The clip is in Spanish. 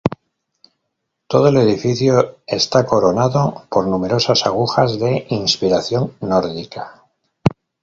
Todo el edificio está coronado por numerosas agujas, de inspiración nórdica.